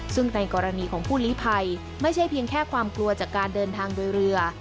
ซึ่งในกรณีของผู้ลิภัยไม่ใช่เพียงแค่ความกลัวจากการเดินทางโดยเรือ